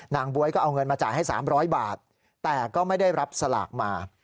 บ๊วยก็เอาเงินมาจ่ายให้๓๐๐บาทแต่ก็ไม่ได้รับสลากมา